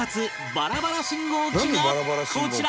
バラバラ信号機がこちら